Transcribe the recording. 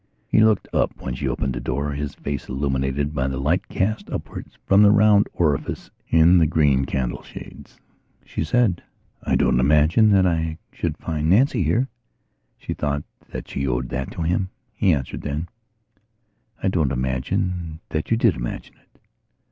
He looked up when she opened the door, his face illuminated by the light cast upwards from the round orifices in the green candle shades. She said: "I didn't imagine that I should find Nancy here." She thought that she owed that to him. He answered then: "I don't imagine that you did imagine it."